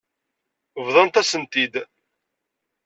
Bḍant-asen-t-id.